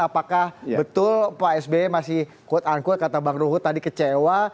apakah betul pak sby masih quote unquote kata bang ruhut tadi kecewa